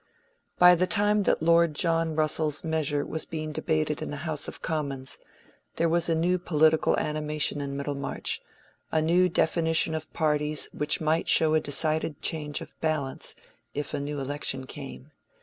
By the time that Lord John Russell's measure was being debated in the House of Commons, there was a new political animation in Middlemarch, and a new definition of parties which might show a decided change of balance if a new election came.